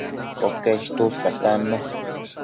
Coquesh tuscatannu